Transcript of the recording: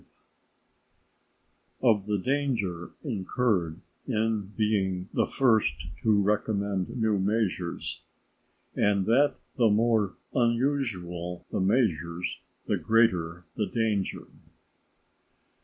—_Of the Danger incurred in being the first to recommend new Measures; and that the more unusual the Measures the greater the Danger_.